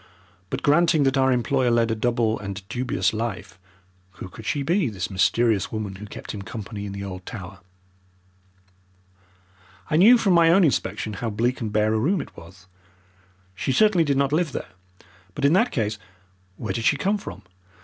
But granting that our employer led a double and dubious life, who could she be, this mysterious woman who kept him company in the old tower? I knew from my own inspection how bleak and bare a room it was. She certainly did not live there. But in that case where did she come from?